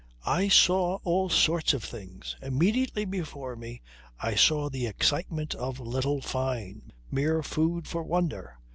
I saw, all sorts of things! Immediately before me I saw the excitement of little Fyne mere food for wonder.